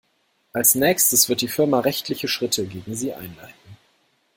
Als Nächstes wird die Firma rechtliche Schritte gegen sie einleiten.